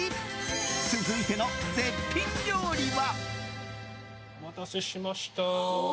続いての絶品料理は。